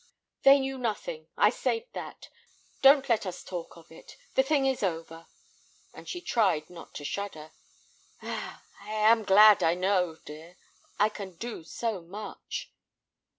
"They knew nothing; I saved that. Don't let us talk of it; the thing is over"—and she tried not to shudder. "Ah—I am glad I know, dear, I can do so much."